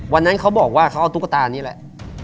วันนั้นเขาบอกว่าเขาเอาตุ๊กตานี่แหละ